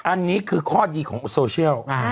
อันนี้คือข้อดีของโซเชียล